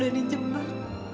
tapi sudah dijembat